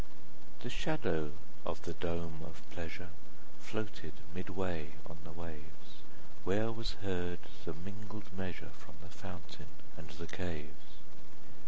30 The shadow of the dome of pleasure Floated midway on the waves; Where was heard the mingled measure From the fountain and the caves.